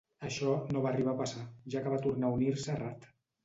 Això no va arribar a passar, ja que va tornar a unir-se a Ratt.